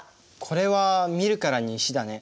これは見るからに石だね。